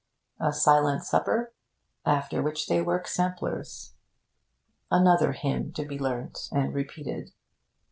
A silent supper, after which they work samplers. Another hymn to be learnt and repeated.